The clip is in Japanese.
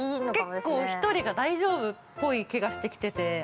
◆結構１人が大丈夫っぽい気がしてきてて。